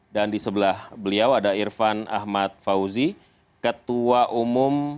dan di sebelah beliau ada irfan ahmad fauzi ketua umum